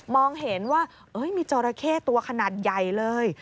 เห็นว่ามีจราเข้ตัวขนาดใหญ่เลย